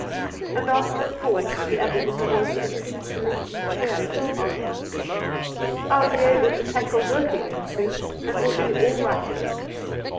And, after a pause, he added in a voice that seemed to let you hear his heart lifting :* I'll be able to tackle work again soon, and wiU be all right again.'